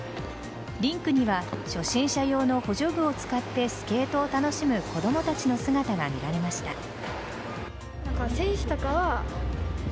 リンクには初心者用の補助具を使ってスケートを楽しむ子供たちの姿が見られました。